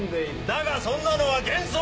だがそんなのは幻想！